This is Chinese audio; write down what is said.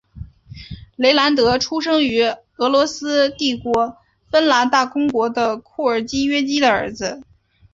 雷兰德出生于俄罗斯帝国芬兰大公国的库尔基约基的儿子。